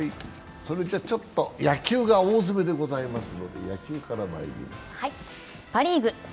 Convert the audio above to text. それでは、野球が大詰めでございますので、野球からまいります。